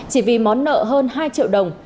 chỉ vì món nợ hơn hai triệu đồng